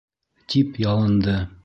-тип ялынды.